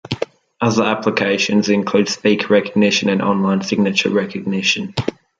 Other applications include speaker recognition and online signature recognition.